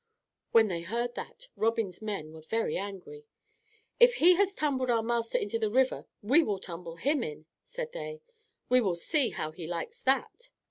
When they heard that, Robin's men were very angry. "If he has tumbled our master into the river, we will tumble him in," said they; "we will see how he likes that."